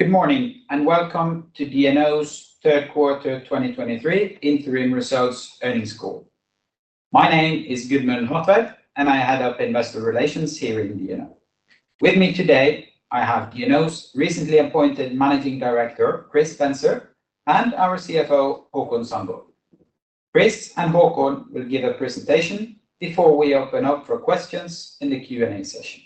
Good morning, and welcome to DNO's third quarter 2023 interim results earnings call. My name is Gudmund Hartveit, and I head up Investor Relations here in DNO. With me today, I have DNO's recently appointed Managing Director, Chris Spencer, and our CFO, Haakon Sandborg. Chris and Haakon will give a presentation before we open up for questions in the Q&A session.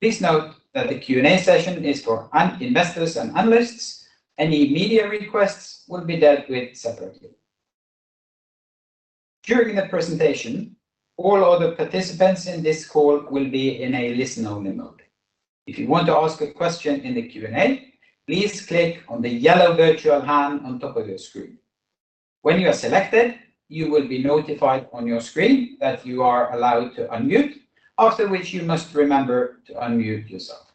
Please note that the Q&A session is for investors and analysts. Any media requests will be dealt with separately. During the presentation, all other participants in this call will be in a listen-only mode. If you want to ask a question in the Q&A, please click on the yellow virtual hand on top of your screen. When you are selected, you will be notified on your screen that you are allowed to unmute, after which you must remember to unmute yourself.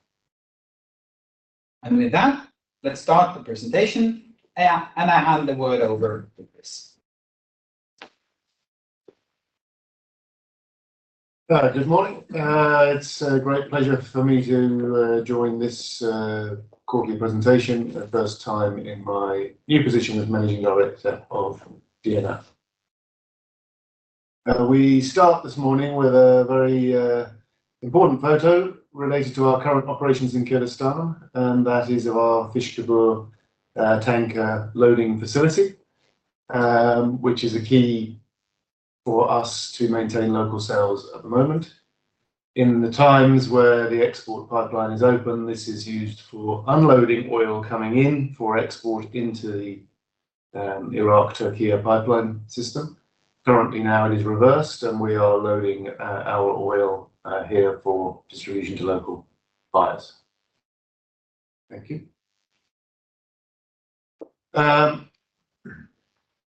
With that, let's start the presentation, and I hand the word over to Chris. Good morning. It's a great pleasure for me to join this quarterly presentation, the first time in my new position as Managing Director of DNO. We start this morning with a very important photo related to our current operations in Kurdistan, and that is of our Peshkabir tanker loading facility, which is a key for us to maintain local sales at the moment. In the times where the export pipeline is open, this is used for unloading oil coming in for export into the Iraq-Turkey pipeline system. Currently, now it is reversed, and we are loading our oil here for distribution to local buyers. Thank you.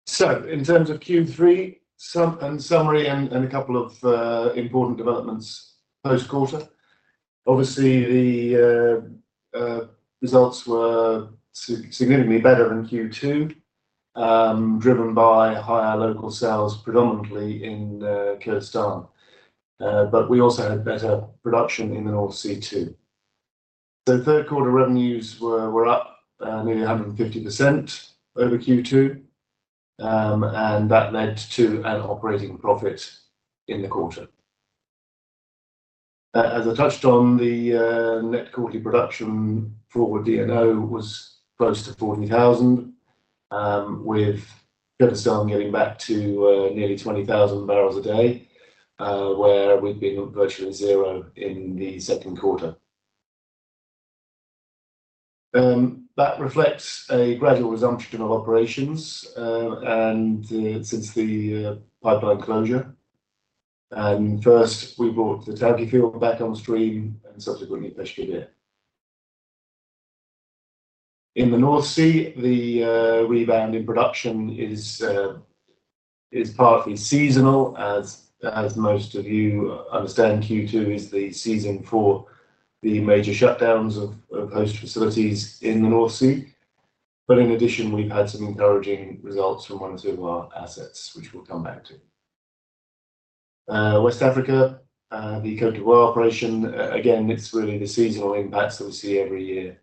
So in terms of Q3 summary and a couple of important developments post-quarter. Obviously, the results were significantly better than Q2, driven by higher local sales, predominantly in Kurdistan. But we also had better production in the North Sea, too. Third quarter revenues were up nearly 150% over Q2, and that led to an operating profit in the quarter. As I touched on, the net quarterly production for DNO was close to 40,000, with Kurdistan getting back to nearly 20,000 barrels a day, where we'd been at virtually zero in the second quarter. That reflects a gradual resumption of operations since the pipeline closure. And first, we brought the Tawke field back on stream and subsequently, Peshkabir. In the North Sea, the rebound in production is partly seasonal. As most of you understand, Q2 is the season for the major shutdowns of host facilities in the North Sea. But in addition, we've had some encouraging results from one or two of our assets, which we'll come back to. West Africa, the Côte d'Ivoire operation, again, it's really the seasonal impacts that we see every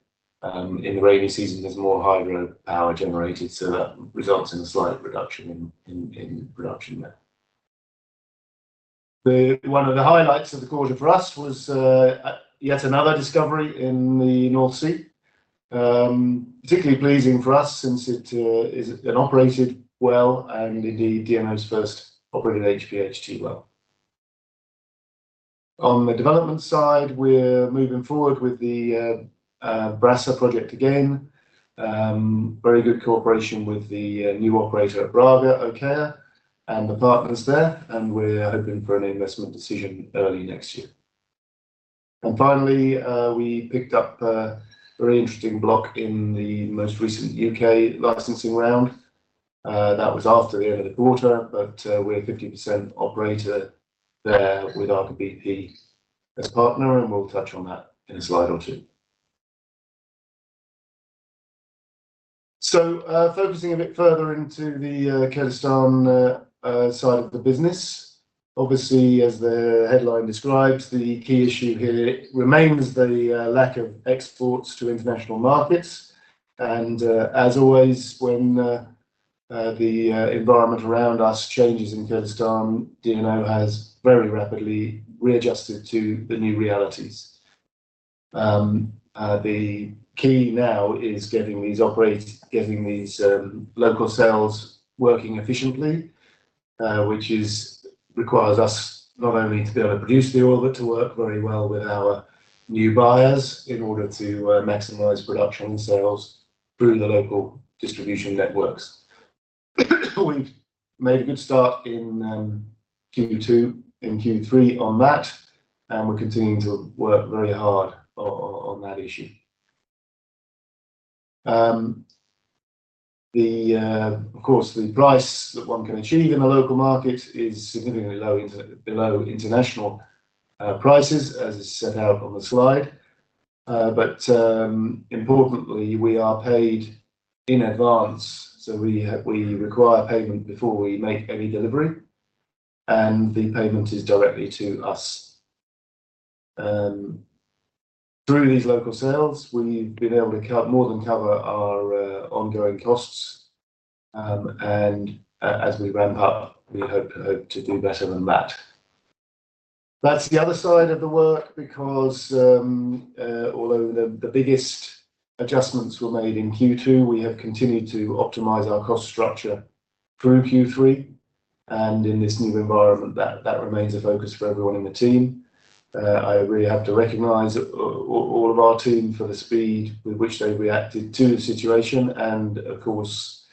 year. In the rainy season, there's more hydro power generated, so that results in a slight reduction in production there. One of the highlights of the quarter for us was yet another discovery in the North Sea. Particularly pleasing for us since it is an operated well and indeed DNO's first operated HPHT well. On the development side, we're moving forward with the Brasse project again. Very good cooperation with the new operator at Brage, OKEA, and the partners there, and we're hoping for an investment decision early next year. Finally, we picked up a very interesting block in the most recent U.K. licensing round. That was after the end of the quarter, but we're a 50% operator there with BP as partner, and we'll touch on that in a slide two. So, focusing a bit further into the Kurdistan side of the business. Obviously, as the headline describes, the key issue here remains the lack of exports to international markets, and as always, when the environment around us changes in Kurdistan, DNO has very rapidly readjusted to the new realities. The key now is getting these local sales working efficiently, which requires us not only to be able to produce the oil, but to work very well with our new buyers in order to maximize production and sales through the local distribution networks. We've made a good start in Q2 and Q3 on that, and we're continuing to work very hard on that issue. Of course, the price that one can achieve in a local market is significantly below international prices, as is set out on the slide. But importantly, we are paid in advance, so we require payment before we make any delivery, and the payment is directly to us. Through these local sales, we've been able to more than cover our ongoing costs. And as we ramp up, we hope to do better than that. That's the other side of the work, because although the biggest adjustments were made in Q2, we have continued to optimize our cost structure through Q3, and in this new environment, that remains a focus for everyone in the team. I really have to recognize all of our team for the speed with which they reacted to the situation, and of course,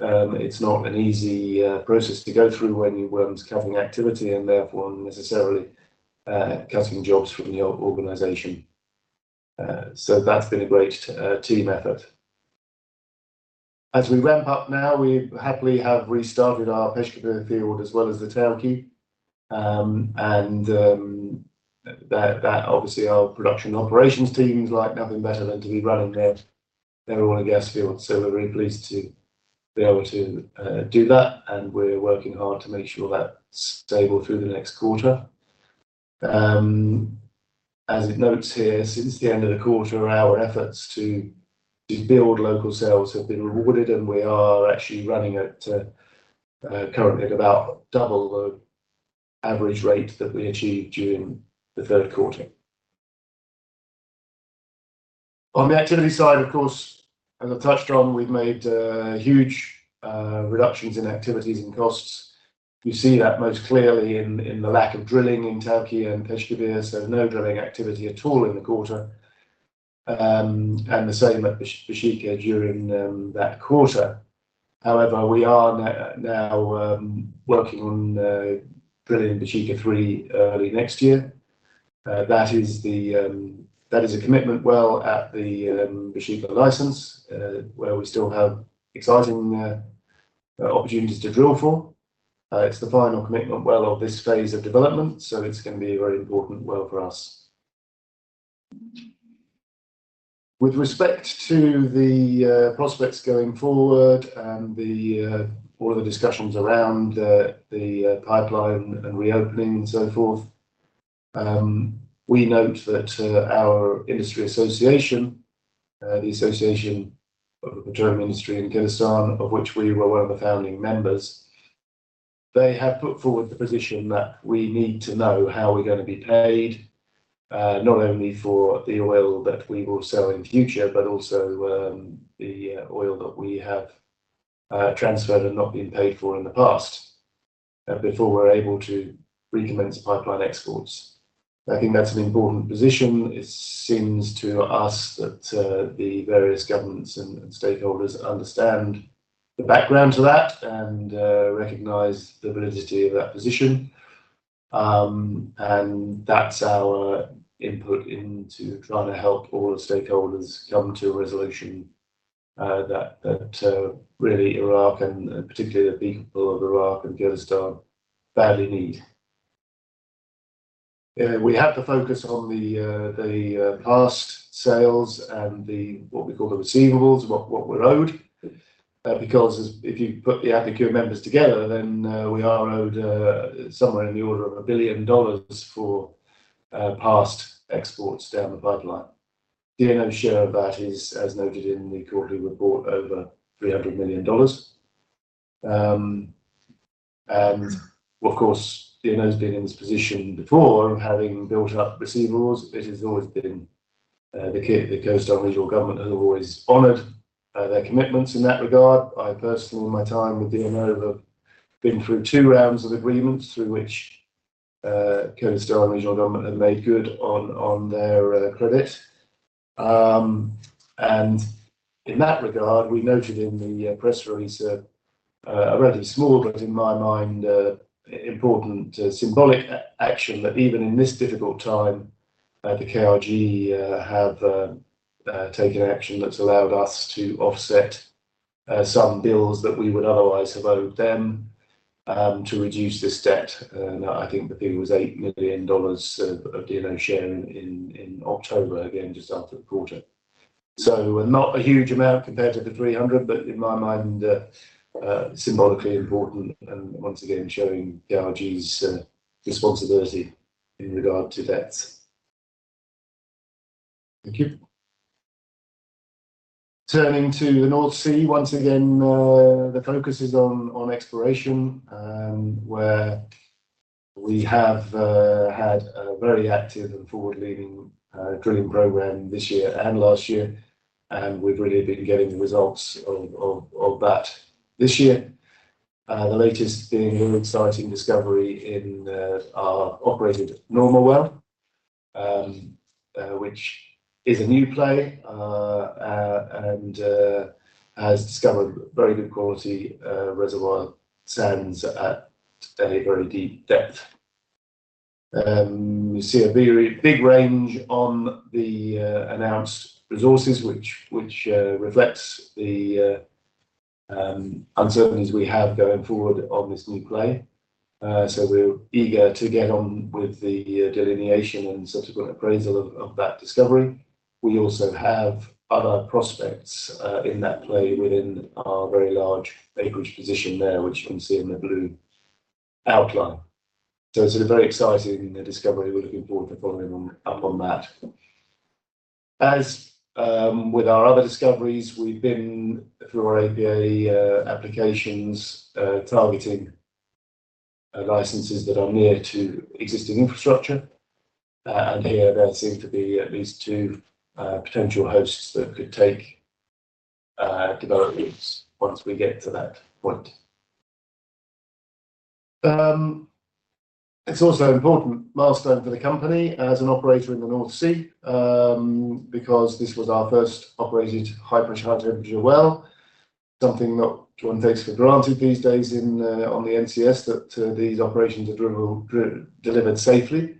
it's not an easy process to go through when you're cutting activity and therefore necessarily cutting jobs from your organization. So that's been a great team effort. As we ramp up now, we happily have restarted our Peshkabir field as well as the Tawke. And that obviously our production operations teams like nothing better than to be running their oil and gas fields. So we're very pleased to be able to do that, and we're working hard to make sure that's stable through the next quarter. As it notes here, since the end of the quarter, our efforts to build local sales have been rewarded, and we are actually running at currently about double the average rate that we achieved during the third quarter. On the activity side, of course, as I've touched on, we've made huge reductions in activities and costs. You see that most clearly in the lack of drilling in Tawke and Peshkabir, so no drilling activity at all in the quarter. And the same at Bashiqa during that quarter. However, we are now working on drilling Bashiqa-3 early next year. That is a commitment well at the Bashiqa license, where we still have exciting opportunities to drill for. It's the final commitment well of this phase of development, so it's gonna be a very important well for us. With respect to the prospects going forward and all of the discussions around the pipeline and reopening and so forth, we note that our industry association, the Association of the Petroleum Industry in Kurdistan, of which we were one of the founding members, they have put forward the position that we need to know how we're gonna be paid, not only for the oil that we will sell in future, but also the oil that we have transferred and not been paid for in the past, before we're able to recommence pipeline exports. I think that's an important position. It seems to us that the various governments and stakeholders understand the background to that and recognize the validity of that position. And that's our input into trying to help all the stakeholders come to a resolution that really Iraq and particularly the people of Iraq and Kurdistan badly need. We have to focus on the past sales and the, what we call the receivables, what we're owed. Because if you put the APIKUR members together, then we are owed somewhere in the order of $1 billion for past exports down the pipeline. DNO's share of that is, as noted in the quarterly report, over $300 million. And of course, DNO's been in this position before of having built up receivables. It has always been the case. The Kurdistan Regional Government has always honored their commitments in that regard. I personally, in my time with DNO, have been through two rounds of agreements through which the Kurdistan Regional Government have made good on their credit. In that regard, we noted in the press release a rather small, but in my mind, a important symbolic action that even in this difficult time, the KRG have taken action that's allowed us to offset some bills that we would otherwise have owed them to reduce this debt. I think the figure was $8 million of DNO sharing in October, again, just after the quarter. So not a huge amount compared to the $300 million, but in my mind, symbolically important and once again, showing the KRG's responsibility in regard to debts. Thank you. Turning to the North Sea, once again, the focus is on exploration, where we have had a very active and forward-leading drilling program this year and last year, and we've really been getting the results of that. This year, the latest being an exciting discovery in our operated Norma well, which is a new play, and has discovered very good quality reservoir sands at a very deep depth. We see a very big range on the announced resources, which reflects the uncertainties we have going forward on this new play. So we're eager to get on with the delineation and subsequent appraisal of that discovery. We also have other prospects in that play within our very large acreage position there, which you can see in the blue outline. So it's a very exciting discovery. We're looking forward to following up on that. As with our other discoveries, we've been through our APA applications targeting licenses that are near to existing infrastructure. And here there seem to be at least two potential hosts that could take developments once we get to that point. It's also an important milestone for the company as an operator in the North Sea because this was our first operated high pressure, high temperature well, something not one takes for granted these days in on the NCS, that these operations are delivered safely.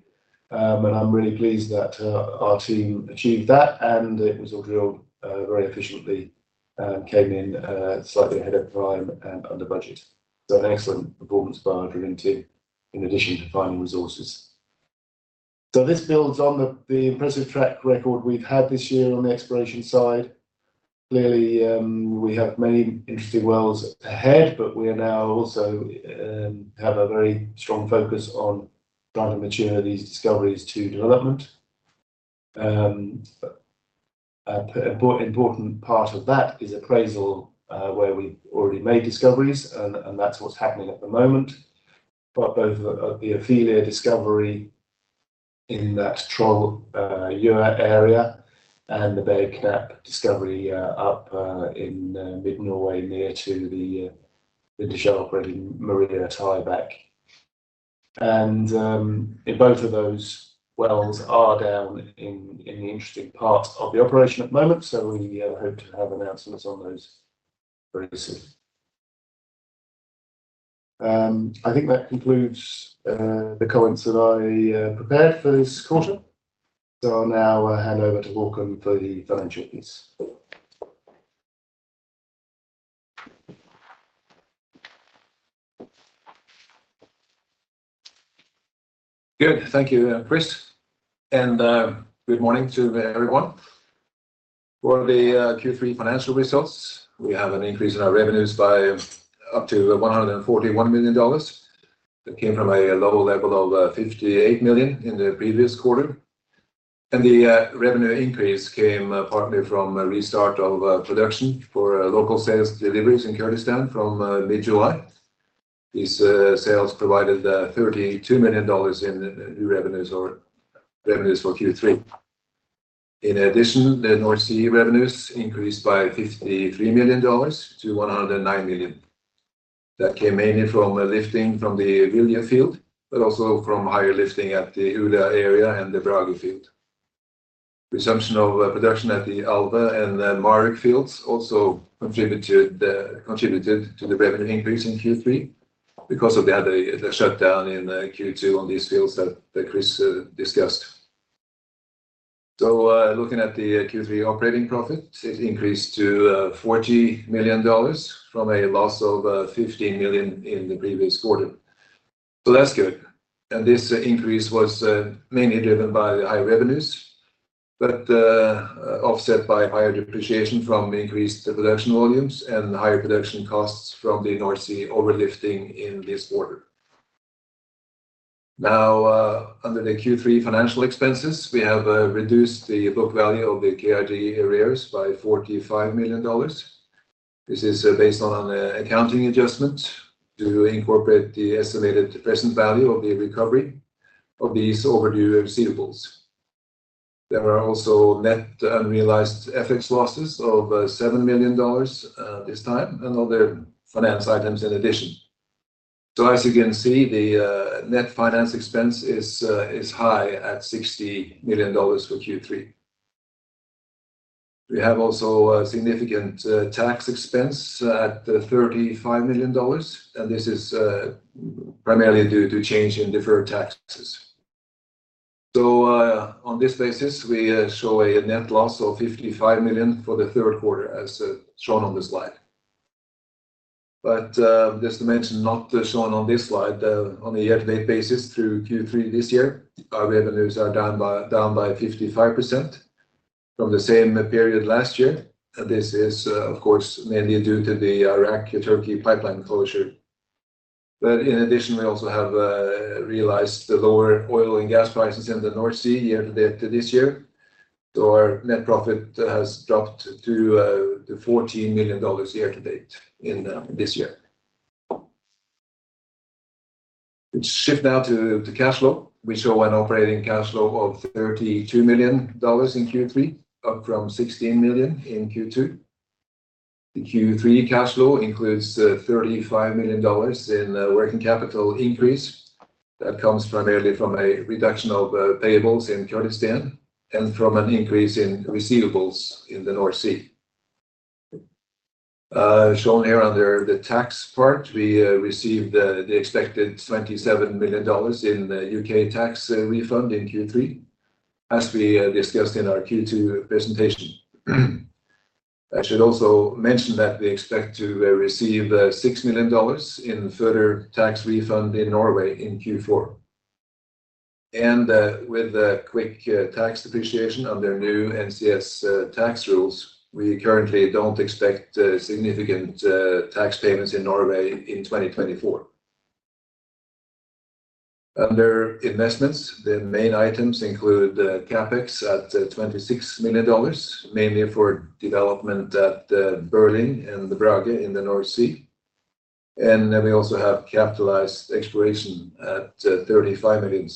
I'm really pleased that our team achieved that, and it was all drilled very efficiently and came in slightly ahead of time and under budget. So an excellent performance by our drilling team in addition to finding resources. So this builds on the impressive track record we've had this year on the exploration side. Clearly, we have many interesting wells ahead, but we are now also have a very strong focus on trying to mature these discoveries to development. Important part of that is appraisal where we've already made discoveries, and that's what's happening at the moment. But both the Ofelia discovery in that Troll area and the Bergknapp discovery up in mid-Norway near to the tieback. And both of those wells are down in the interesting part of the operation at the moment, so we hope to have announcements on those very soon. I think that concludes the comments that I prepared for this quarter. So I'll now hand over to Haakon for the financial piece. Good. Thank you, Chris, and good morning to everyone. For the Q3 financial results, we have an increase in our revenues by up to $141 million. That came from a low level of $58 million in the previous quarter, and the revenue increase came partly from a restart of production for local sales deliveries in Kurdistan from mid-July. These sales provided $32 million in new revenues for Q3. In addition, the North Sea revenues increased by $53 million to $109 million. That came mainly from lifting from the Vilje field, but also from higher lifting at the Ula area and the Brage field. Resumption of production at the Alve and Marulk fields also contributed to the revenue increase in Q3 because of the shutdown in Q2 on these fields that Chris discussed. So, looking at the Q3 operating profit, it increased to $40 million from a loss of $15 million in the previous quarter. So that's good, and this increase was mainly driven by the high revenues, but offset by higher depreciation from increased production volumes and higher production costs from the North Sea overlifting in this quarter. Now, under the Q3 financial expenses, we have reduced the book value of the KRG arrears by $45 million. This is based on an accounting adjustment to incorporate the estimated present value of the recovery of these overdue receivables. There are also net unrealized FX losses of $7 million this time, and other finance items in addition. So as you can see, the net finance expense is high at $60 million for Q3. We have also a significant tax expense at $35 million, and this is primarily due to change in deferred taxes. So on this basis, we show a net loss of $55 million for the third quarter, as shown on the slide. But just to mention, not shown on this slide, on a year-to-date basis through Q3 this year, our revenues are down by 55% from the same period last year. This is of course mainly due to the Iraq-Turkey Pipeline closure. But in addition, we also have realized the lower oil and gas prices in the North Sea year to date to this year. So our net profit has dropped to $14 million year to date in this year. Let's shift now to cash flow. We show an operating cash flow of $32 million in Q3, up from $16 million in Q2. The Q3 cash flow includes $35 million in working capital increase. That comes primarily from a reduction of payables in Kurdistan and from an increase in receivables in the North Sea. Shown here under the tax part, we received the expected $27 million in the UK tax refund in Q3, as we discussed in our Q2 presentation.... I should also mention that we expect to receive $6 million in further tax refund in Norway in Q4. And with the quick tax depreciation under new NCS tax rules, we currently don't expect significant tax payments in Norway in 2024. Under investments, the main items include CapEx at $26 million, mainly for development at Bestla and the Brage in the North Sea. And then we also have capitalized exploration at $35 million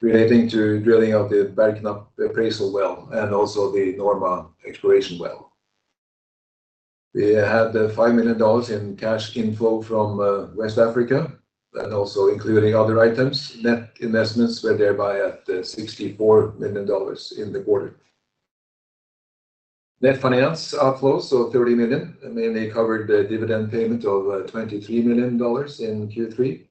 relating to drilling of the Bayerknapp appraisal well, and also the Norma exploration well. We had $5 million in cash inflow from West Africa, and also including other items. Net investments were thereby at $64 million in the quarter. Net finance outflows, so $30 million, and mainly covered the dividend payment of $23 million in Q3,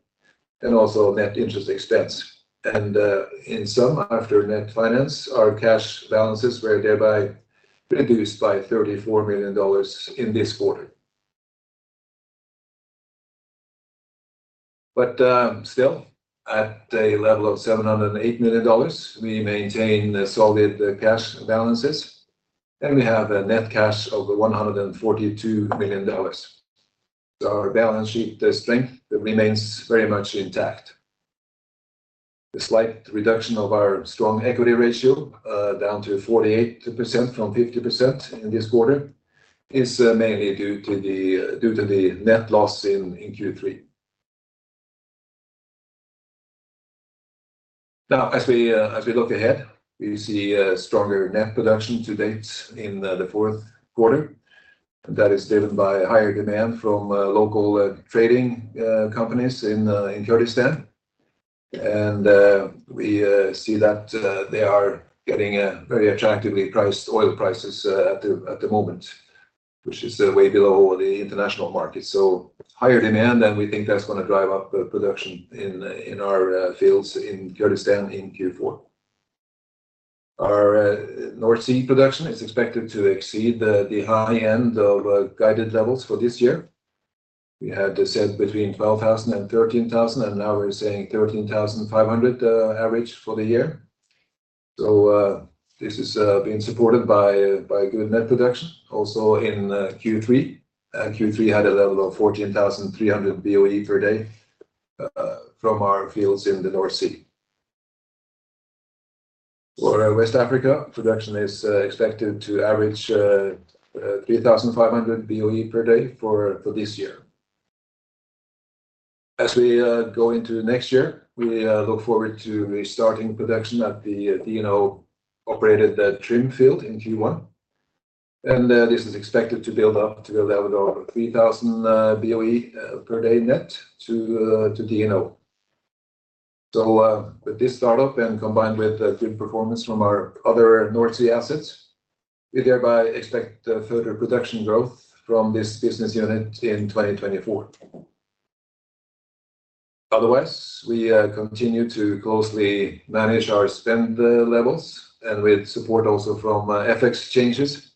and also net interest expense. And, in sum, after net finance, our cash balances were thereby reduced by $34 million in this quarter. But, still, at a level of $708 million, we maintain solid cash balances, and we have a net cash of $142 million. So our balance sheet strength remains very much intact. The slight reduction of our strong equity ratio, down to 48% from 50% in this quarter, is mainly due to the net loss in Q3. Now, as we look ahead, we see stronger net production to date in the fourth quarter. That is driven by higher demand from local trading companies in Kurdistan. We see that they are getting very attractively priced oil prices at the moment, which is way below the international market. Higher demand, and we think that's gonna drive up the production in our fields in Kurdistan in Q4. Our North Sea production is expected to exceed the high end of guided levels for this year. We had said between 12,000 and 13,000, and now we're saying 13,500 average for the year. This is being supported by good net production also in Q3. Q3 had a level of 14,300 BOE/D from our fields in the North Sea. For West Africa, production is expected to average 3,500 BOE/D for this year. As we go into next year, we look forward to restarting production at the DNO-operated Trym field in Q1, and this is expected to build up to a level of 3,000 BOE/D net to DNO. So, with this start-up, and combined with good performance from our other North Sea assets, we thereby expect further production growth from this business unit in 2024. Otherwise, we continue to closely manage our spend levels, and with support also from FX changes,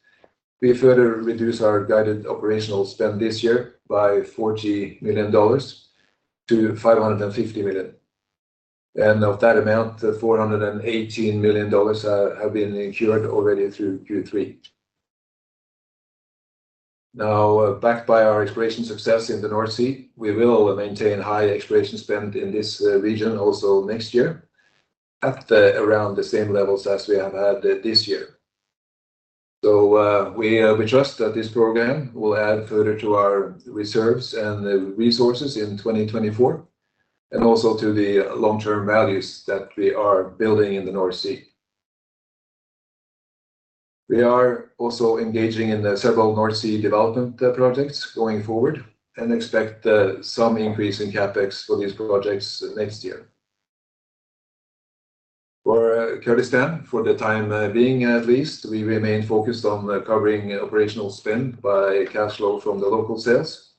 we further reduce our guided operational spend this year by $40 million to $550 million. Of that amount, $418 million have been incurred already through Q3. Now, backed by our exploration success in the North Sea, we will maintain high exploration spend in this region also next year, at around the same levels as we have had this year. So, we trust that this program will add further to our reserves and resources in 2024, and also to the long-term values that we are building in the North Sea. We are also engaging in several North Sea development projects going forward and expect some increase in CapEx for these projects next year. For Kurdistan, for the time being at least, we remain focused on covering operational spend by cash flow from the local sales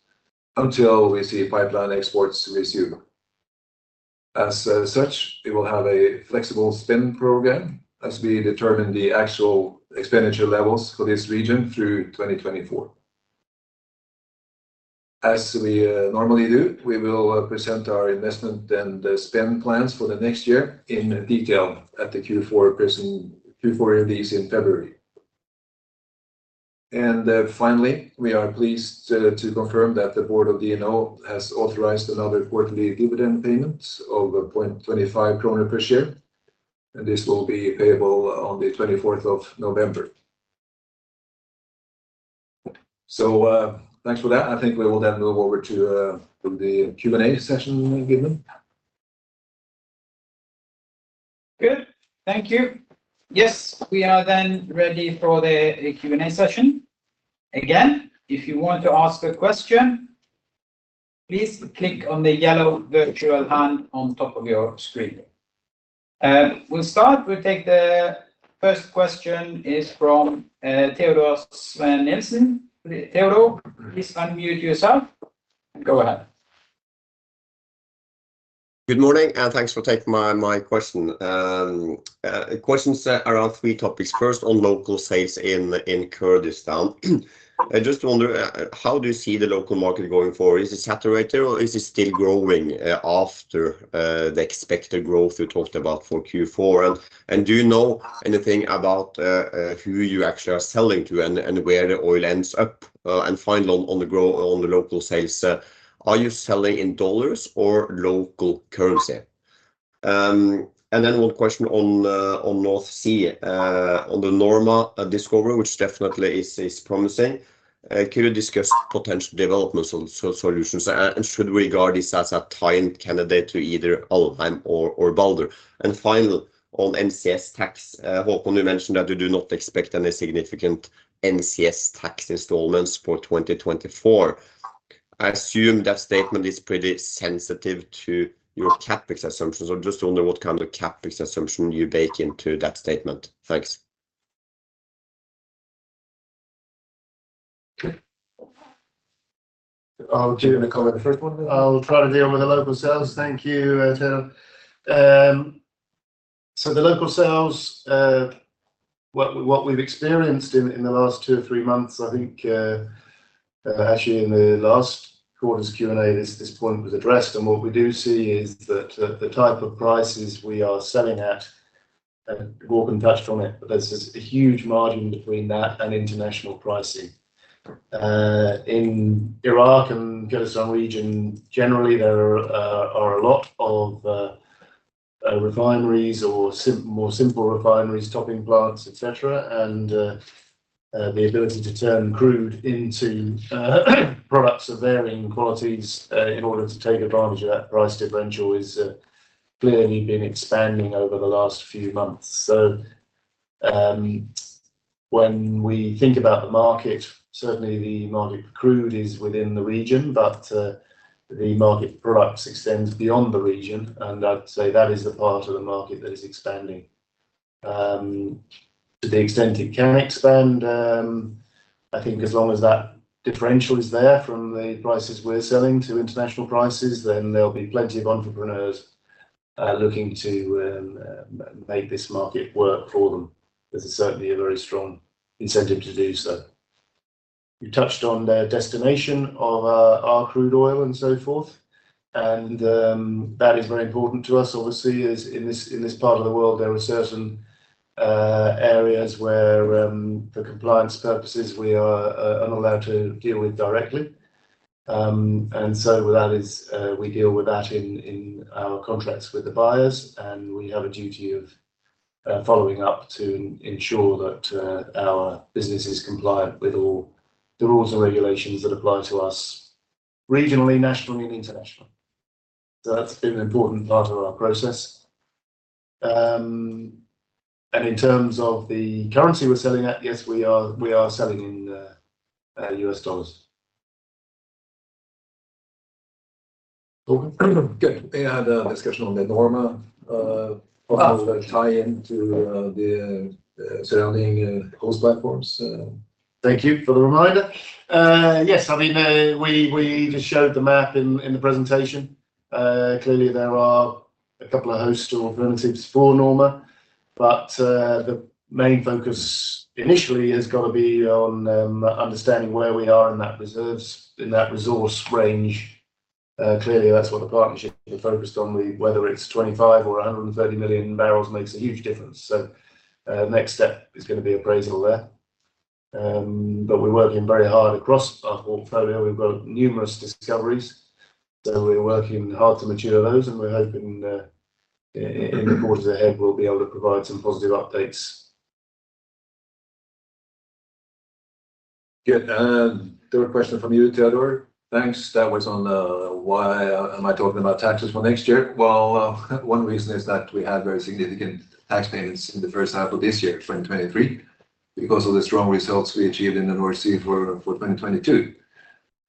until we see pipeline exports resume. As such, we will have a flexible spend program as we determine the actual expenditure levels for this region through 2024. As we normally do, we will present our investment and spend plans for the next year in detail at the Q4 release in February. And finally, we are pleased to confirm that the board of DNO has authorized another quarterly dividend payment of 0.25 kroner per share, and this will be payable on the twenty-fourth of November. So, thanks for that. I think we will then move over to the Q&A session, Gudmund. Good. Thank you. Yes, we are then ready for the Q&A session. Again, if you want to ask a question, please click on the yellow virtual hand on top of your screen. We'll start. We'll take the first question is from Teodor Sveen-Nilsen. Teodor, please unmute yourself and go ahead. Good morning, and thanks for taking my question. Questions are around three topics. First, on local sales in Kurdistan. I just wonder how do you see the local market going forward? Is it saturated, or is it still growing after the expected growth you talked about for Q4? And do you know anything about who you actually are selling to and where the oil ends up? And finally, on the local sales, are you selling in dollars or local currency? And then one question on North Sea, on the Norma discovery, which definitely is promising. Could you discuss potential development solutions, and should we regard this as a tied candidate to either Alvheim or Valhall? Finally, on NCS tax, Haakon, you mentioned that you do not expect any significant NCS tax installments for 2024. I assume that statement is pretty sensitive to your CapEx assumptions. I just wonder what kind of CapEx assumption you bake into that statement. Thanks. Do you want to cover the first one? I'll try to deal with the local sales. Thank you, Theodor. So the local sales, what we've experienced in the last two or three months, I think, actually in the last quarter's Q&A, this point was addressed, and what we do see is that the type of prices we are selling at, and Haakon touched on it, but there's a huge margin between that and international pricing. In Iraq and Kurdistan Region, generally, there are a lot of refineries or more simple refineries, topping plants, et cetera. And the ability to turn crude into products of varying qualities in order to take advantage of that price differential is clearly been expanding over the last few months. So, when we think about the market, certainly the market for crude is within the region, but the market for products extends beyond the region, and I'd say that is the part of the market that is expanding. To the extent it can expand, I think as long as that differential is there from the prices we're selling to international prices, then there'll be plenty of entrepreneurs looking to make this market work for them. There's certainly a very strong incentive to do so. You touched on the destination of our crude oil and so forth, and that is very important to us. Obviously, as in this part of the world, there are certain areas where, for compliance purposes, we are not allowed to deal with directly. And so that is... We deal with that in our contracts with the buyers, and we have a duty of following up to ensure that our business is compliant with all the rules and regulations that apply to us regionally, nationally, and internationally. So that's been an important part of our process. And in terms of the currency we're selling at, yes, we are selling in US dollars. Good. We had a discussion on the Norma. Ah. -how it will tie in to the surrounding host platforms... Thank you for the reminder. Yes, I mean, we just showed the map in the presentation. Clearly there are a couple of host alternatives for Norma, but the main focus initially has got to be on understanding where we are in that reserves, in that resource range. Clearly, that's what the partnership is focused on. Whether it's 25 or 130 million barrels makes a huge difference, so next step is gonna be appraisal there. But we're working very hard across our portfolio. We've got numerous discoveries, so we're working hard to mature those, and we're hoping, in the quarters ahead, we'll be able to provide some positive updates. Good. There were a question from you, Theodor. Thanks. That was on why am I talking about taxes for next year? Well, one reason is that we had very significant tax payments in the H1 of this year, 2023, because of the strong results we achieved in the North Sea for 2022.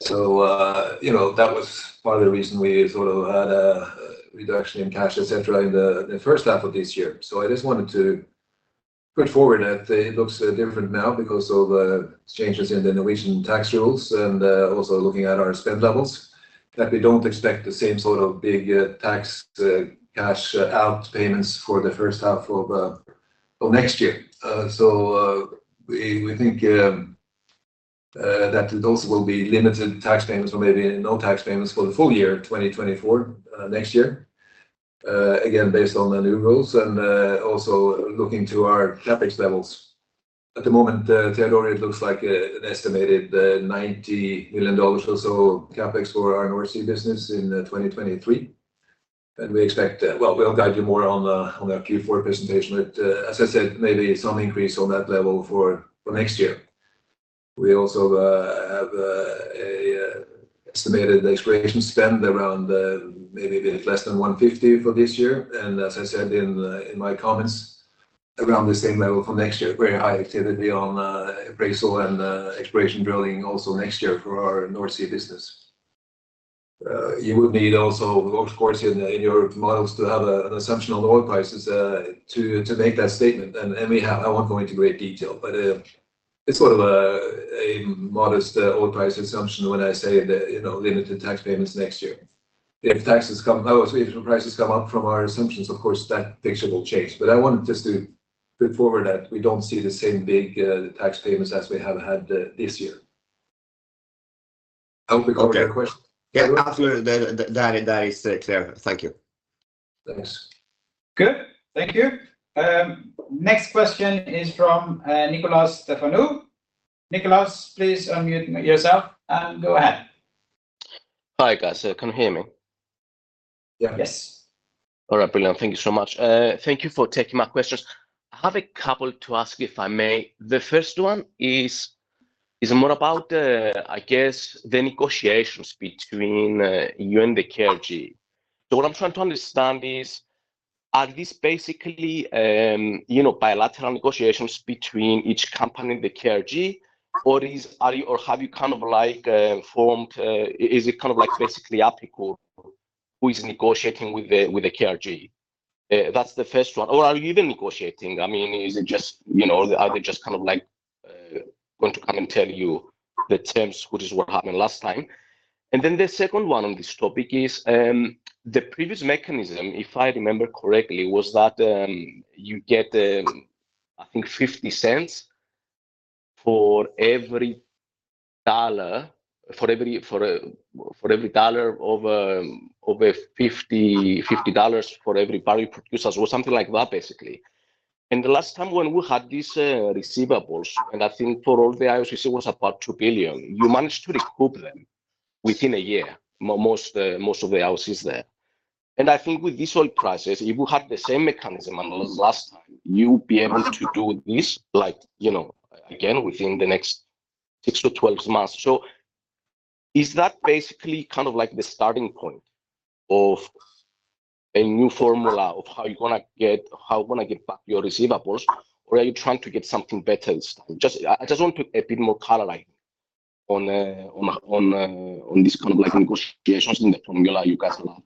So, you know, that was part of the reason we sort of had a reduction in cash et cetera in the H1 of this year. So I just wanted to put forward that it looks different now because of changes in the Norwegian tax rules and also looking at our spend levels, that we don't expect the same sort of big tax cash out payments for the H1 of next year. So, we think that those will be limited tax payments or maybe no tax payments for the full year, 2024, next year, again, based on the new rules and also looking to our CapEx levels. At the moment, Theodor, it looks like an estimated $90 million or so CapEx for our North Sea business in 2023, and we expect... well, we'll guide you more on our Q4 presentation, but, as I said, maybe some increase on that level for next year. We also have an estimated exploration spend around, maybe a bit less than $150 million for this year, and as I said in my comments, around the same level for next year. Very high activity on appraisal and exploration drilling also next year for our North Sea business. You would need also, of course, in your models to have an assumption on oil prices to make that statement, and we have, I won't go into great detail, but. It's sort of a modest oil price assumption when I say that, you know, limited tax payments next year. If taxes come out, if prices come up from our assumptions, of course, that picture will change. But I wanted just to put forward that we don't see the same big tax payments as we have had this year. I hope we covered your question. Yeah, absolutely. That, that is clear. Thank you. Thanks. Good. Thank you. Next question is from Nikolas Stefanou. Nikolas, please unmute yourself and go ahead. Hi, guys. Can you hear me? Yeah. Yes. All right, brilliant. Thank you so much. Thank you for taking my questions. I have a couple to ask, if I may. The first one is more about, I guess, the negotiations between you and the KRG. So what I'm trying to understand is, are these basically, you know, bilateral negotiations between each company and the KRG, or are you or have you kind of like formed... Is it kind of like basically APIKUR who is negotiating with the KRG? That's the first one. Or are you even negotiating? I mean, is it just, you know, are they just kind of like going to come and tell you the terms, which is what happened last time? And then the second one on this topic is, the previous mechanism, if I remember correctly, was that, you get, I think $0.50 for every $1, for every dollar over $50 for every barrel producers or something like that, basically. And the last time when we had these, receivables, and I think for all the IOCs, it was about $2 billion, you managed to recoup them within a year. Most of the houses there. And I think with this oil prices, if you had the same mechanism as last time, you'd be able to do this like, you know, again, within the next 6-12 months. So is that basically kind of like the starting point of a new formula of how you're gonna get, how you wanna get back your receivables, or are you trying to get something better this time? Just, I just want a bit more color, like, on this kind of like negotiations and the formula you guys have.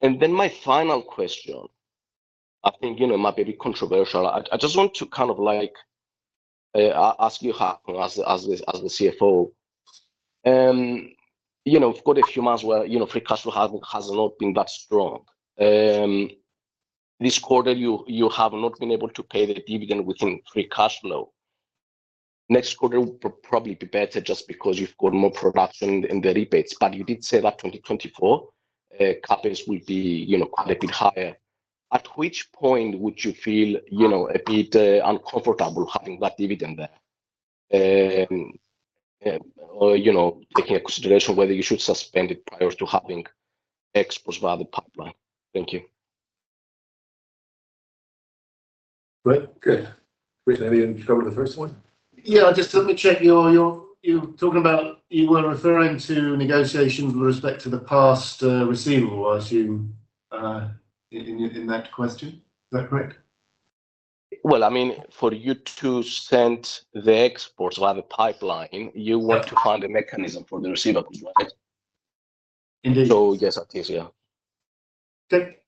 And then my final question, I think, you know, it might be a bit controversial. I just want to kind of like ask you, as the CFO, you know, we've got a few months where, you know, free cash flow has not been that strong. This quarter, you have not been able to pay the dividend within free cash flow. Next quarter will probably be better just because you've got more production in the rebates, but you did say that 2024 CapEx will be, you know, quite a bit higher. At which point would you feel, you know, a bit uncomfortable having that dividend there? Or, you know, taking into consideration whether you should suspend it prior to having exports via the pipeline. Thank you. Great. Good. Chris, have you covered the first one? Yeah, just let me check your. You're talking about, you were referring to negotiations with respect to the past receivable, I assume, in that question. Is that correct? Well, I mean, for you to send the exports via the pipeline, you want to find a mechanism for the receivables, right? Indeed. Yes, it is. Yeah.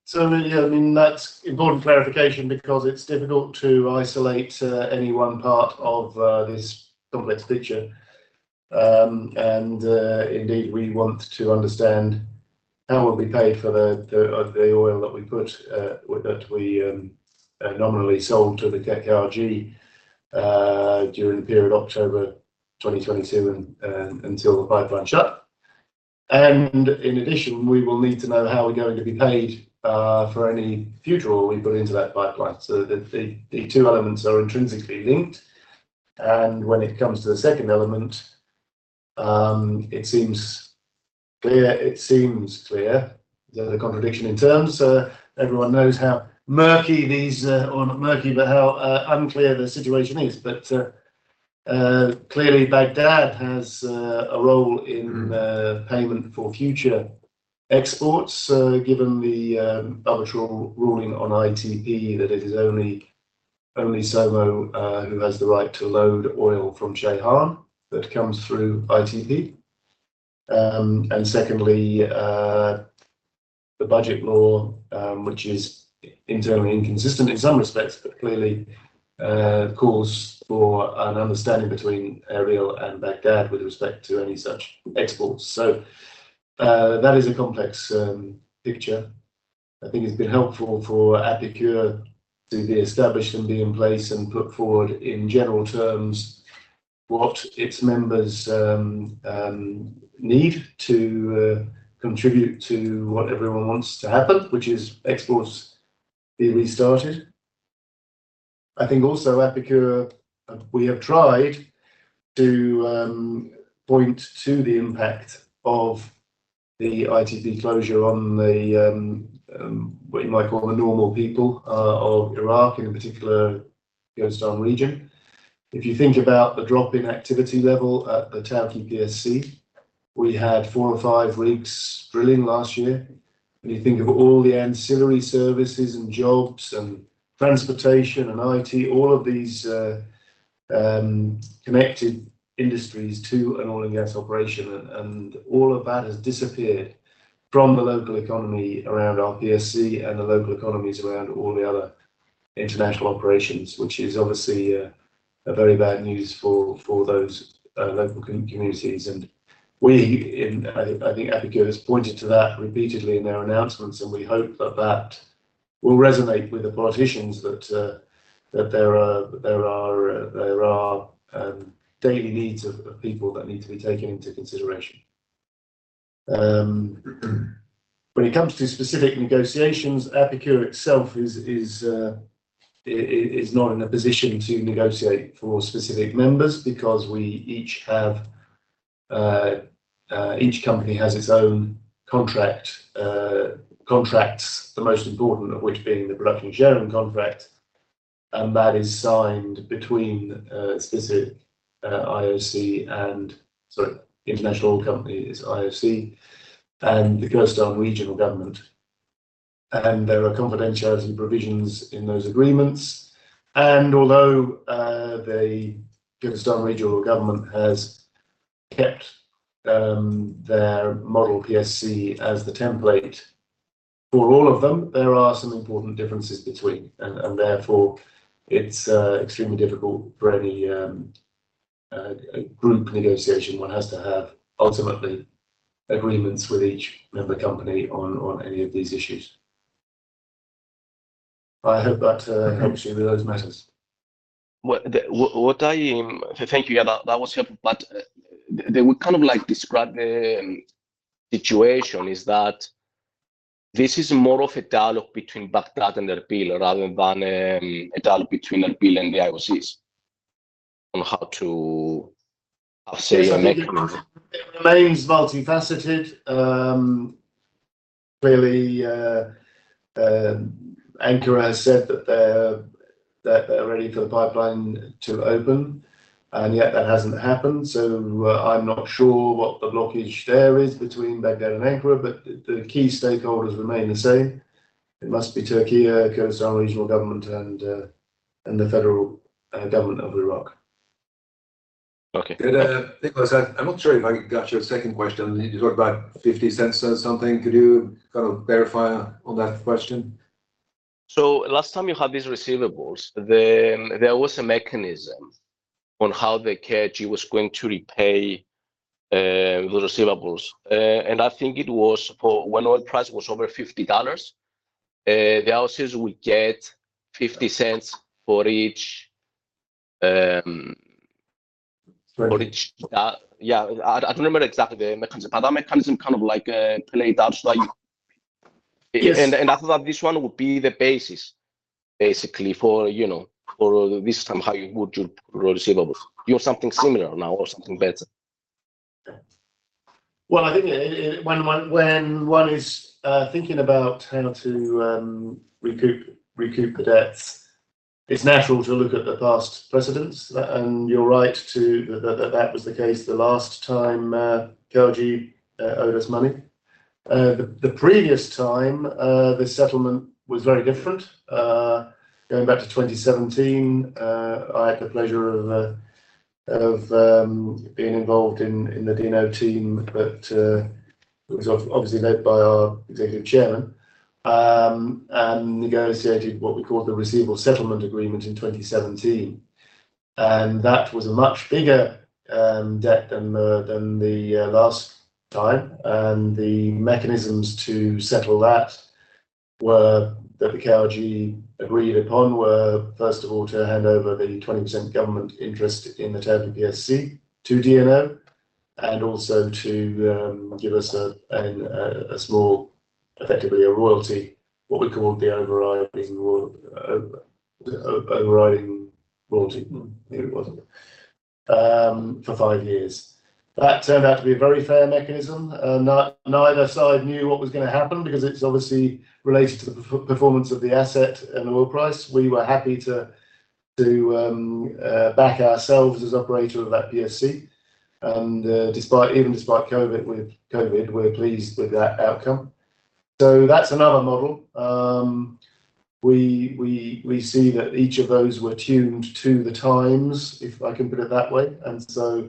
So, yeah, I mean, that's important clarification because it's difficult to isolate any one part of this complex picture. And indeed, we want to understand how will we pay for the oil that we put that we nominally sold to the KRG during the period October 2022 and until the pipeline shut. And in addition, we will need to know how we're going to be paid for any future oil we put into that pipeline. So the two elements are intrinsically linked, and when it comes to the second element, it seems clear, it seems clear, the contradiction in terms, everyone knows how murky these, or not murky, but how unclear the situation is. But clearly, Baghdad has a role in payment for future exports, given the arbitrary ruling on ITP, that it is only, only SOMO who has the right to load oil from Kirkuk that comes through ITP. And secondly, the budget law, which is internally inconsistent in some respects, but clearly calls for an understanding between Erbil and Baghdad with respect to any such exports. So that is a complex picture. I think it's been helpful for APIKUR to be established and be in place and put forward, in general terms, what its members need to contribute to what everyone wants to happen, which is exports being restarted. I think also APIKUR, we have tried to point to the impact of the ITP closure on the what you might call the normal people of Iraq, in particular, Kurdistan Region. If you think about the drop in activity level at the Tawke PSC, we had four or five rigs drilling last year. When you think of all the ancillary services and jobs and transportation and IT, all of these connected industries to an oil and gas operation, and all of that has disappeared from the local economy around our PSC and the local economies around all the other international operations, which is obviously a very bad news for those local communities. I think APIKUR has pointed to that repeatedly in their announcements, and we hope that that will resonate with the politicians that there are daily needs of people that need to be taken into consideration. When it comes to specific negotiations, APIKUR itself is not in a position to negotiate for specific members because we each have each company has its own contracts, the most important of which being the production sharing contract, and that is signed between specific IOC and, sorry, international oil company is IOC, and the Kurdistan Regional Government. There are confidentiality provisions in those agreements, and although the Kurdistan Regional Government has kept their model PSC as the template for all of them, there are some important differences between, and therefore, it's extremely difficult for any group negotiation. One has to have, ultimately, agreements with each member company on any of these issues. I hope that helps you with those matters. Thank you. Yeah, that was helpful, but they would kind of like describe the situation is that this is more of a dialogue between Baghdad and Erbil rather than a dialogue between Erbil and the IOCs on how to, how say- It remains multifaceted. Clearly, Ankara has said that they're, that they're ready for the pipeline to open, and yet that hasn't happened. So I'm not sure what the blockage there is between Baghdad and Ankara, but the key stakeholders remain the same. It must be Turkey, Kurdistan Regional Government, and the federal government of Iraq. Okay. Nikolas, I'm not sure if I got your second question. You talked about $0.50 or something. Could you kind of verify on that question? So last time you had these receivables, then there was a mechanism on how the KRG was going to repay the receivables. And I think it was for when oil price was over $50, the IOCs would get $0.50 for each, for each. Right. Yeah, I, I don't remember exactly the mechanism, but that mechanism kind of like, played out like- Yes. After that, this one would be the basis, basically, for, you know, for this time, how you would do receivables. You have something similar now or something better? Well, I think when one is thinking about how to recoup the debts, it's natural to look at the past precedents, and you're right to... That was the case the last time KRG owed us money. The previous time, the settlement was very different. Going back to 2017, I had the pleasure of being involved in the DNO team, but it was obviously led by our Executive Chairman and negotiated what we call the Receivable Settlement Agreement in 2017. And that was a much bigger debt than the last time, and the mechanisms to settle that were that the KRG agreed upon were, first of all, to hand over the 20% government interest in the Tawke PSC to DNO, and also to give us a small, effectively a royalty, what we called the overriding royalty, I think it was, for five years. That turned out to be a very fair mechanism, and neither side knew what was going to happen because it's obviously related to the performance of the asset and the oil price. We were happy to back ourselves as operator of that PSC, and even despite COVID, with COVID, we're pleased with that outcome. So that's another model. We see that each of those were tuned to the times, if I can put it that way, and so,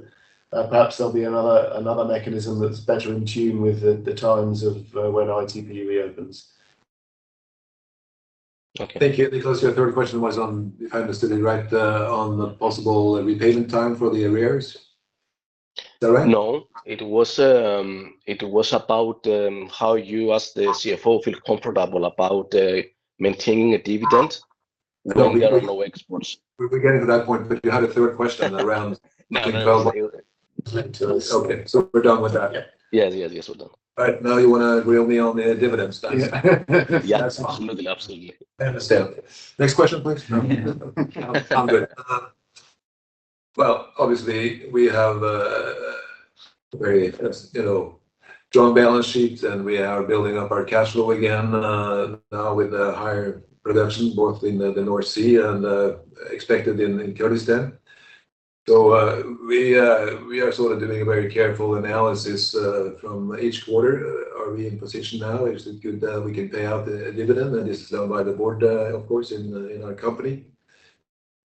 perhaps there'll be another mechanism that's better in tune with the times of when ITP reopens. Okay. Thank you. Nicholas, your third question was on, if I understood it right, on the possible repayment time for the arrears. Is that right? No, it was about how you as the CFO feel comfortable about maintaining a dividend when there are no exports. We're getting to that point, but you had a third question around. Okay, so we're done with that then. Yes, yes, yes, we're done. Right. Now you want to grill me on the dividends then? Yeah. Absolutely. Absolutely. I understand. Next question, please. No, I'm good. Well, obviously, we have a very, you know, strong balance sheet, and we are building up our cash flow again now with higher production, both in the North Sea and expected in Kurdistan. So, we are sort of doing a very careful analysis from each quarter. Are we in position now? Is it good that we can pay out the dividend? And this is done by the board, of course, in our company.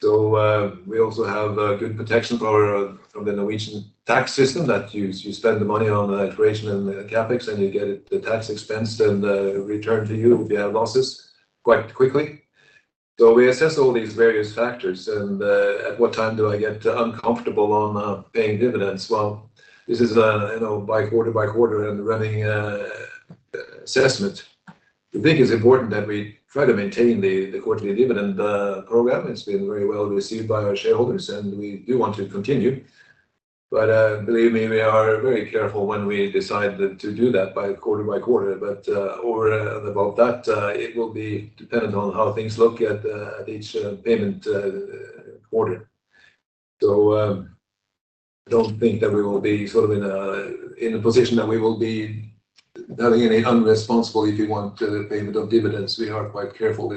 So, we also have good protection from the Norwegian tax system, that you spend the money on exploration and CapEx, and you get the tax expense and returned to you if you have losses quite quickly. So we assess all these various factors, and at what time do I get uncomfortable on paying dividends? Well, this is, you know, by quarter-by-quarter and running assessment. We think it's important that we try to maintain the quarterly dividend program. It's been very well received by our shareholders, and we do want to continue. But believe me, we are very careful when we decide to do that by quarter-by-quarter. But over and above that, it will be dependent on how things look at at each payment quarter. So I don't think that we will be sort of in a position that we will be doing any irresponsible, if you want, payment of dividends. We are quite careful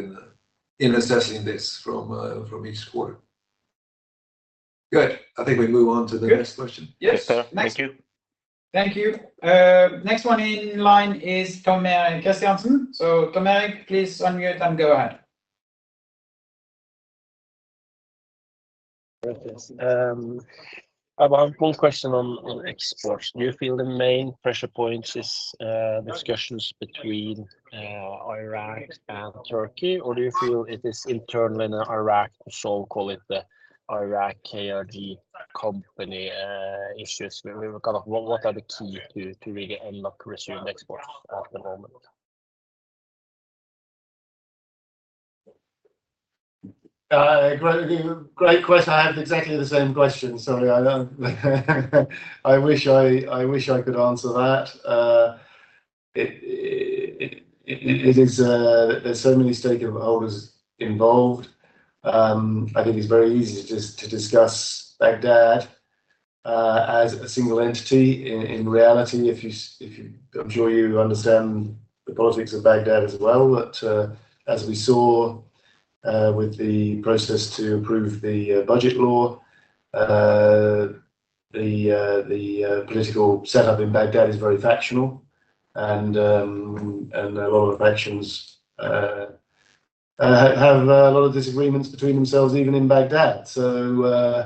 in assessing this from from each quarter. Good. I think we move on to the next question. Good. Yes. Thank you. Thank you. Next one in line is Tom Erik Kristiansen. So Tom Erik, please unmute and go ahead.... I have one question on exports. Do you feel the main pressure points is discussions between Iraq and Turkey, or do you feel it is internal in Iraq, so call it the Iraq KRG company issues? What are the key to really unlock resumed exports at the moment? Great, great question. I have exactly the same question. Sorry, I don't, I wish I, I wish I could answer that. It is, there's so many stakeholders involved. I think it's very easy just to discuss Baghdad as a single entity. In reality, if you... I'm sure you understand the politics of Baghdad as well, but as we saw with the process to approve the budget law, the political setup in Baghdad is very factional, and a lot of the factions have a lot of disagreements between themselves, even in Baghdad. So,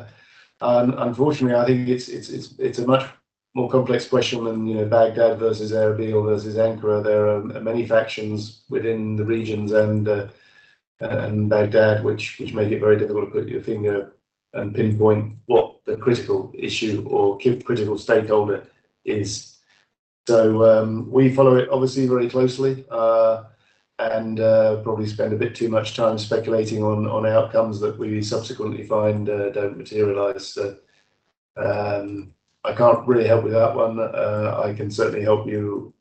unfortunately, I think it's a much more complex question than, you know, Baghdad versus Erbil versus Ankara. There are many factions within the regions and and Baghdad, which make it very difficult to put your finger and pinpoint what the critical issue or critical stakeholder is. So, we follow it obviously very closely and probably spend a bit too much time speculating on outcomes that we subsequently find don't materialize. But, I can't really help with that one. I can certainly help you,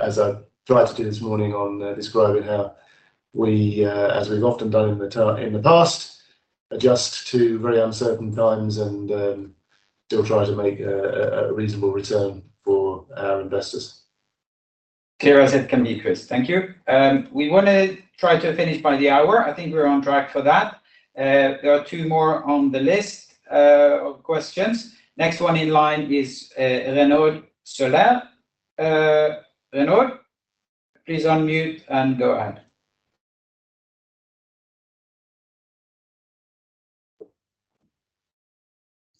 as I tried to do this morning, on describing how we, as we've often done in the past, adjust to very uncertain times and still try to make a reasonable return for our investors. Clear as it can be, Chris. Thank you. We want to try to finish by the hour. I think we're on track for that. There are two more on the list of questions. Next one in line is Renaud Saleur. Renaud, please unmute and go ahead.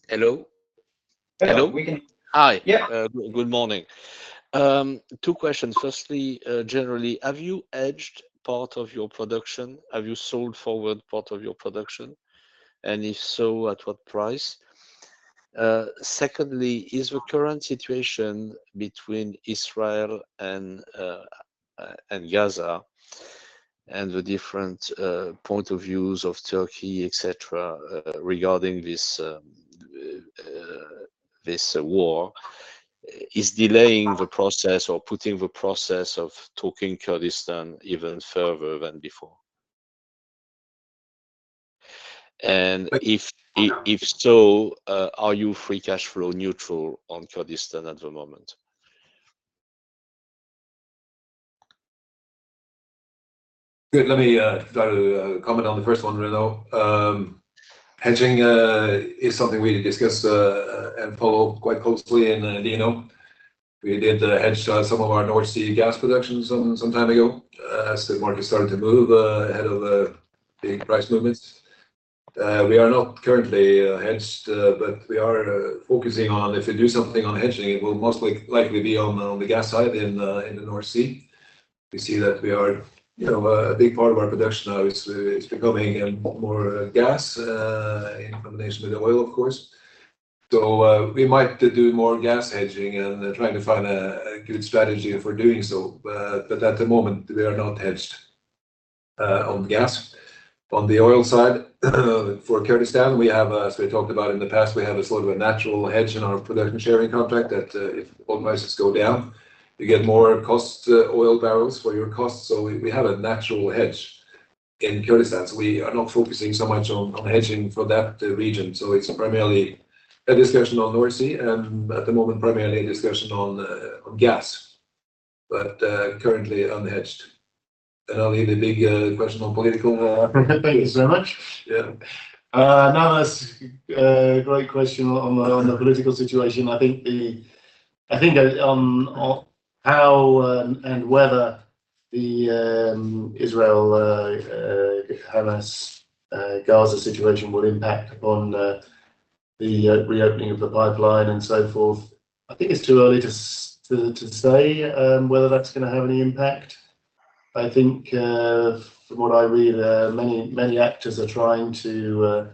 Hello? Hello. Hello. We can- Hi. Yeah. Good morning. Two questions. Firstly, generally, have you hedged part of your production? Have you sold forward part of your production, and if so, at what price? Secondly, is the current situation between Israel and Gaza, and the different point of views of Turkey, et cetera, regarding this war, delaying the process or putting the process of talking Kurdistan even further than before? And if so, are you free cash flow neutral on Kurdistan at the moment? Good. Let me try to comment on the first one, Renaud. Hedging is something we discuss and follow quite closely in DNO. We did hedge some of our North Sea gas production some time ago as the market started to move ahead of the big price movements. We are not currently hedged but we are focusing on if we do something on hedging, it will likely be on the gas side in the North Sea. We see that we are, you know, a big part of our production now is becoming more gas in combination with oil, of course. So we might do more gas hedging and trying to find a good strategy for doing so. But at the moment, we are not hedged on gas. On the oil side, for Kurdistan, we have, as we talked about in the past, we have a sort of a natural hedge in our production sharing contract that, if oil prices go down, you get more cost oil barrels for your cost. So we have a natural hedge in Kurdistan, so we are not focusing so much on hedging for that region. So it's primarily a discussion on North Sea and at the moment, primarily a discussion on gas, but currently unhedged. And I'll leave the big question on political. Thank you so much. Yeah. No, that's a great question on the political situation. I think on how and whether the Israel-Hamas-Gaza situation will impact upon the reopening of the pipeline and so forth, I think it's too early to say whether that's gonna have any impact. I think from what I read many actors are trying to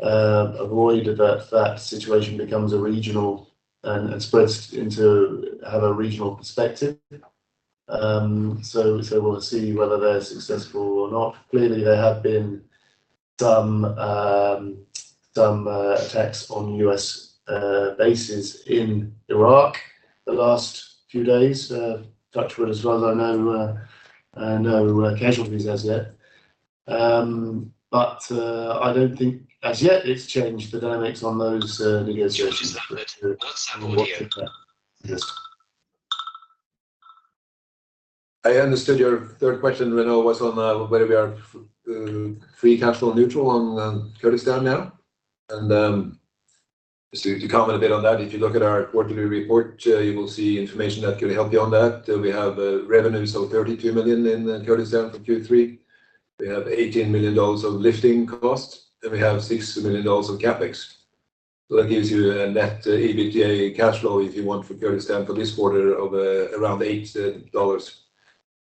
avoid that situation becomes a regional and spreads into have a regional perspective. So we'll see whether they're successful or not. Clearly, there have been some attacks on U.S. bases in Iraq the last few days. Touch wood as well, I know no casualties as yet. But, I don't think as yet it's changed the dynamics on those negotiations. I understood your third question, Renaud, was on whether we are free cash flow neutral on Kurdistan now. Just to comment a bit on that, if you look at our quarterly report, you will see information that could help you on that. We have revenues of $32 million in Kurdistan for Q3. We have $18 million of lifting costs, and we have $6 million of CapEx. So that gives you a net EBITDA cash flow, if you want, for Kurdistan for this quarter of around $8.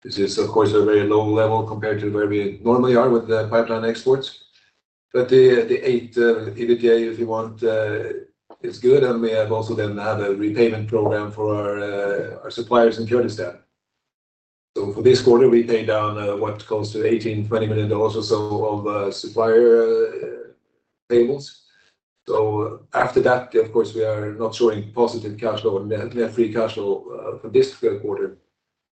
This is, of course, a very low level compared to where we normally are with the pipeline exports. But the $8 EBITDA, if you want, is good, and we have also then had a repayment program for our suppliers in Kurdistan. So for this quarter, we paid down what comes to $18-$20 million or so of supplier payables. So after that, of course, we are not showing positive cash flow and net free cash flow for this quarter.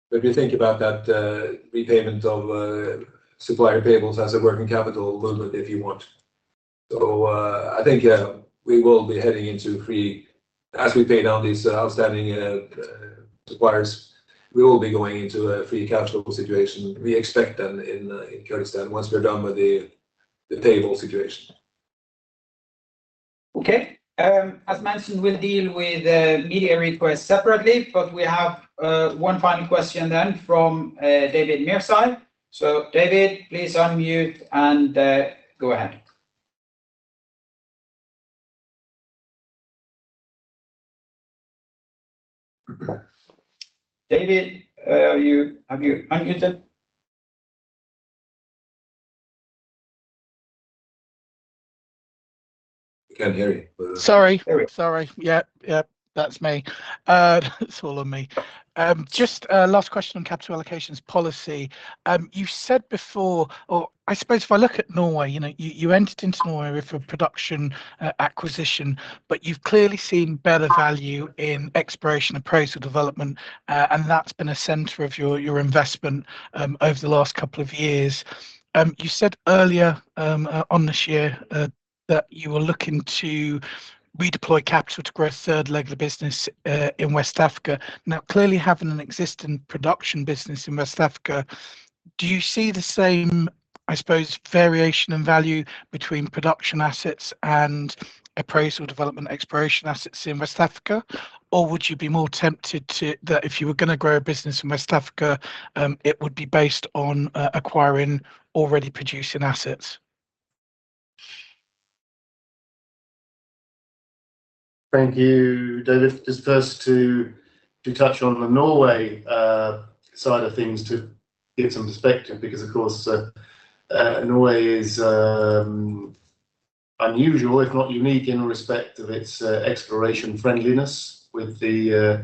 But if you think about that, repayment of supplier payables as a working capital movement, if you want. So, I think we will be heading into free... As we pay down these outstanding suppliers, we will be going into a free cash flow situation. We expect that in Kurdistan once we're done with the payable situation. Okay. As mentioned, we'll deal with the media requests separately, but we have one final question then from David Mirzai. So David, please unmute and go ahead. David, are you, have you unmuted? We can't hear you. Sorry. There we go. Sorry. Yep, yep, that's me. It's all on me. Just a last question on capital allocations policy. You've said before, or I suppose if I look at Norway, you know, you, you entered into Norway for production, acquisition, but you've clearly seen better value in exploration, appraisal, development, and that's been a center of your, your investment, over the last couple of years. You said earlier, on this year, that you were looking to redeploy capital to grow a third leg of the business, in West Africa. Now, clearly, having an existing production business in West Africa, do you see the same, I suppose, variation in value between production assets and appraisal, development, exploration assets in West Africa? Or would you be more tempted to that if you were gonna grow a business in West Africa, it would be based on acquiring already producing assets? Thank you, David. Just first to touch on the Norway side of things, to give some perspective, because, of course, Norway is unusual, if not unique, in respect of its exploration friendliness with the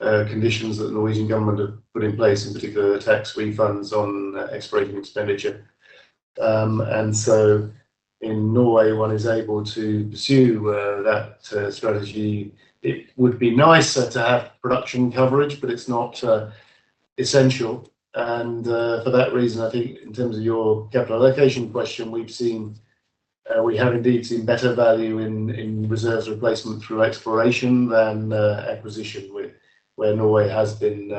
conditions that the Norwegian government have put in place, in particular, the tax refunds on exploration expenditure. And so in Norway, one is able to pursue that strategy. It would be nicer to have production coverage, but it's not essential. And for that reason, I think in terms of your capital allocation question, we've seen, we have indeed seen better value in reserves replacement through exploration than acquisition, where Norway has been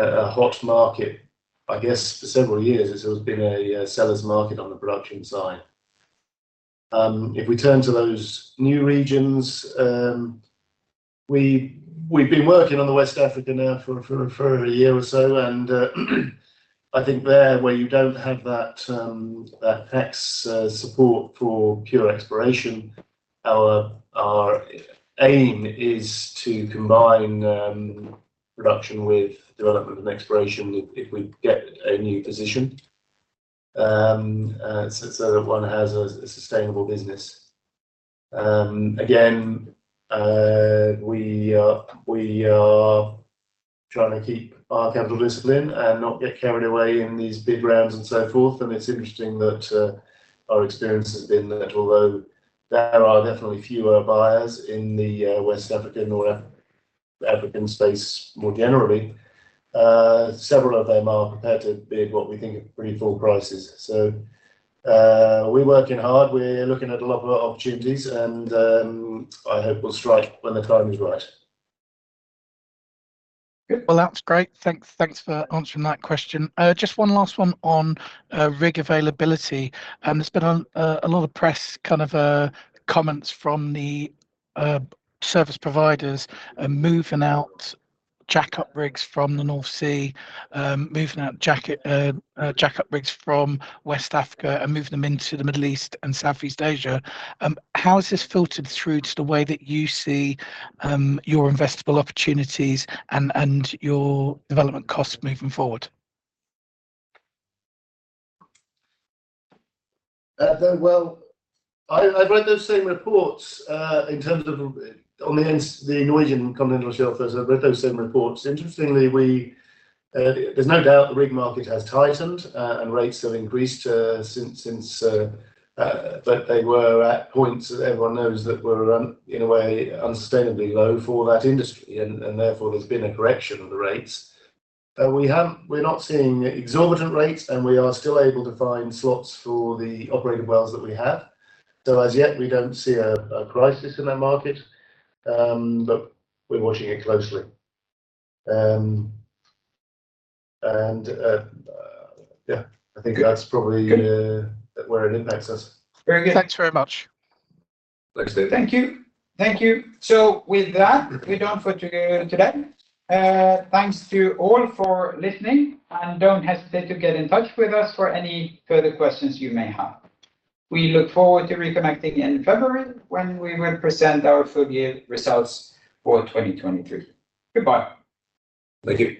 a hot market, I guess, for several years, as it has been a seller's market on the production side. If we turn to those new regions, we've been working on the West Africa now for a year or so, and I think there, where you don't have that tax support for pure exploration, our aim is to combine production with development and exploration if we get a new position, so that one has a sustainable business. Again, we are trying to keep our capital discipline and not get carried away in these big rounds and so forth. And it's interesting that our experience has been that although there are definitely fewer buyers in the West African or African space more generally, several of them are prepared to bid what we think are pretty full prices. So, we're working hard. We're looking at a lot of opportunities, and, I hope we'll strike when the time is right. Well, that's great. Thanks for answering that question. Just one last one on rig availability. There's been a lot of press kind of comments from the service providers moving out jackup rigs from the North Sea, moving out jackup rigs from West Africa and moving them into the Middle East and Southeast Asia. How has this filtered through just the way that you see your investable opportunities and your development costs moving forward? Well, I've read those same reports in terms of on the Norwegian Continental Shelf. I've read those same reports. Interestingly, there's no doubt the rig market has tightened and rates have increased since but they were at points that everyone knows that were in a way unsustainably low for that industry, and therefore there's been a correction of the rates. We're not seeing exorbitant rates, and we are still able to find slots for the operated wells that we have. So as yet, we don't see a crisis in that market, but we're watching it closely. Yeah, I think that's probably- Good... where it impacts us. Very good. Thanks very much. Thanks, David. Thank you. Thank you. With that, we're done for today. Thanks to you all for listening, and don't hesitate to get in touch with us for any further questions you may have. We look forward to reconnecting in February when we will present our full year results for 2023. Goodbye. Thank you.